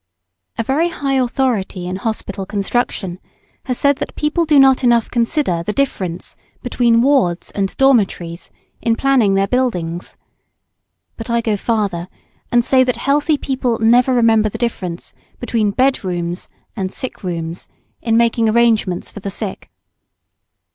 ] A very high authority in hospital construction has said that people do not enough consider the difference between wards and dormitories in planning their buildings. But I go farther, and say, that healthy people never remember the difference between bed rooms and sick rooms in making arrangements for the sick.